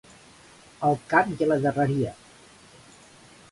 Al cap i a la darreria.